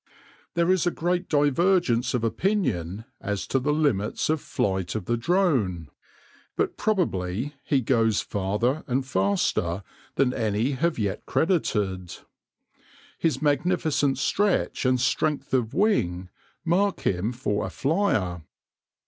There is a great divergence of opinion as to the limits of flight of the drone, but probably he goes farther and faster than any have yet credited. His magnificent stretch and strength of wing mark him for a flier.